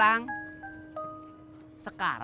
maaf ya mas pur